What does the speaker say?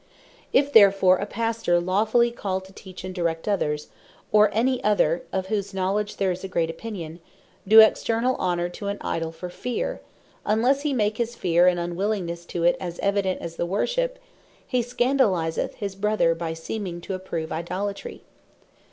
If therefore a Pastor lawfully called to teach and direct others, or any other, of whose knowledge there is a great opinion, doe externall honor to an Idol for fear; unlesse he make his feare, and unwillingnesse to it, as evident as the worship; he Scandalizeth his Brother, by seeming to approve Idolatry.